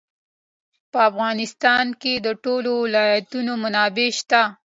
په افغانستان کې د ټولو ولایتونو منابع شته.